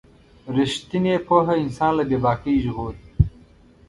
رښتینې پوهه انسان له بې باکۍ ژغوري.